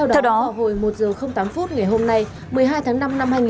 theo đó vào hồi một giờ tám phút ngày hôm nay một mươi hai tháng năm năm hai nghìn hai mươi